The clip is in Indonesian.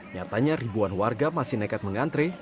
nyatanya ribuan warga masih nekat mengantre